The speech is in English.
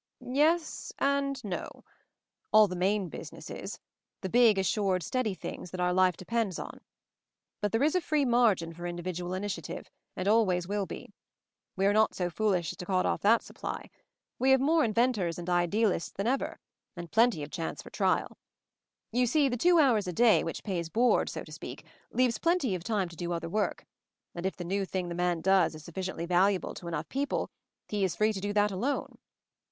"Yes — and no. All the main business is; MOVING THE MOUNTAIN 233 the big assured steady things that our life depends on. But there is a free margin for individual initiative — and always will be. We are not so foolish as to cut off that sup ply. We have more inventors and idealists than ever; and plenty of chance for trial. You see the two hours a day which pays board, so to speak, leaves plenty of time to do other work; and if the new thing the man does is sufficiently valuable to enough people, he is free to do that alone.